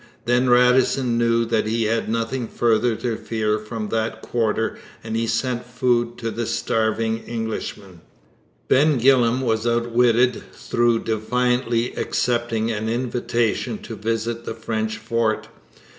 Then Radisson knew that he had nothing further to fear from that quarter and he sent food to the starving Englishmen. Ben Gillam was outwitted through defiantly accepting an invitation to visit the French fort.